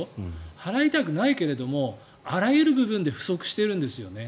払いたくないけれどもあらゆる部分で不足しているんですよね。